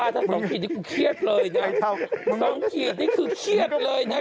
ถ้า๒ขีดมันก็เกี่ยวด้วยนะ